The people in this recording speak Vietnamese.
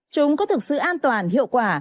chúng có thực sự an toàn hiệu quả